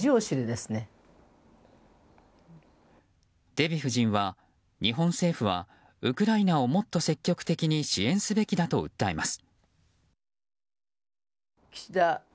デヴィ夫人は日本政府はウクライナをもっと積極的に支援すべきだと訴えます。